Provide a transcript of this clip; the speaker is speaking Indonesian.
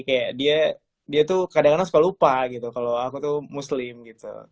kayak dia tuh kadang kadang suka lupa gitu kalau aku tuh muslim gitu